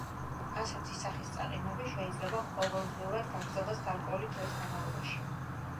ასეთი სახის წაყინვები შეიძლება ყოველდღიურად გაგრძელდეს გარკვეული დროის განმავლობაში.